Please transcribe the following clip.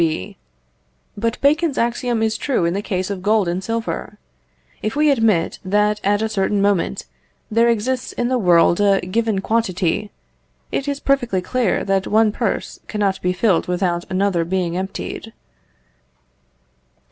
B. But Bacon's axiom is true in the case of gold and silver. If we admit that at a certain moment there exists in the world a given quantity, it is perfectly clear that one purse cannot be filled without another being emptied.